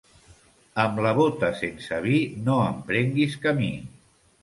Amb la bota sense vi no emprenguis camí.